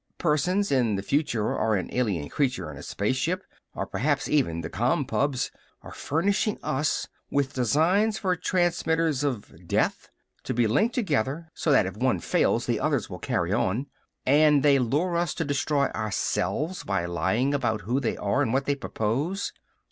Persons in the future or an alien creature in a space ship, or perhaps even the Compubs are furnishing us with designs for transmitters of death, to be linked together so that if one fails the others will carry on. And they lure us to destroy ourselves by lying about who they are and what they propose."